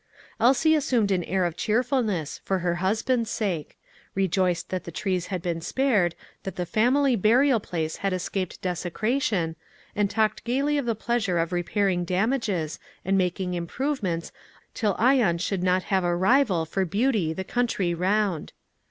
Elsie assumed an air of cheerfulness, for her husband's sake; rejoiced that the trees had been spared, that the family burial place had escaped desecration, and talked gayly of the pleasure of repairing damages, and making improvements till Ion should not have a rival for beauty the country round.